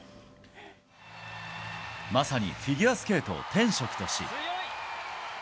まさにフィギュアスケートを天職とし。